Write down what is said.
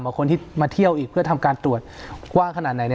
คนที่มาเที่ยวอีกเพื่อทำการตรวจกว้างขนาดไหน